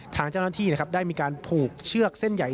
ทางเจ้าหน้าที่นะครับได้มีการผูกเชือกเส้นใหญ่